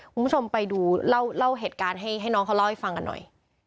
คุณผู้ชมไปดูเล่าเหตุการณ์ให้น้องเขาเล่าให้ฟังกันหน่อย